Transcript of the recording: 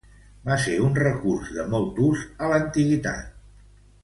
Va ser un recurs de molt ús a l'antiguitat.